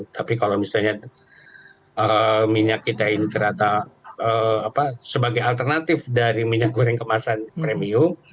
tapi kalau misalnya minyak kita ini ternyata sebagai alternatif dari minyak goreng kemasan premium